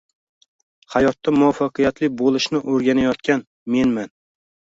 Hayotda muvaffaqiyatli bo’lishni o’rganayotgan menman.